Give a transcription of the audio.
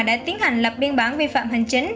đã tiến hành lập biên bản vi phạm hành chính